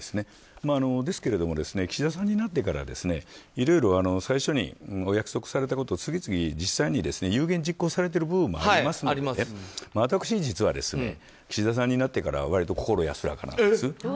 ですけれども岸田さんになってからいろいろ最初にお約束されたことを次々実際に有言実行されてる部分もありますので私は岸田さんになってから割と心安らかなんです。